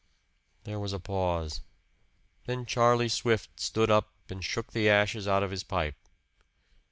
There was a pause. Then Charlie Swift stood up and shook the ashes out of his pipe.